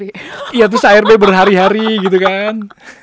iya terus arb berhari hari gitu kan